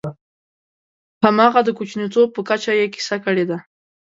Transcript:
همغه د کوچنیتوب په کچه یې کیسه کړې ده.